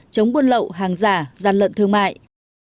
chống buôn lậu hàng giả gian lận thương mại